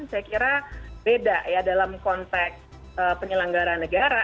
saya kira beda ya dalam konteks penyelenggara negara